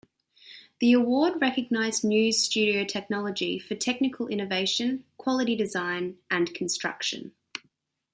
The award recognized news studio technology for technical innovation, quality design and construction.